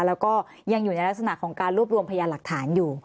แล้วก็ยังอยู่ในลักษณะของการรวบรวมพยานหลักฐานอยู่